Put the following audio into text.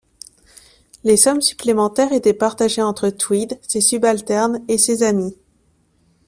Les sommes supplémentaires étaient partagées entre Tweed, ses subalternes et ses amis.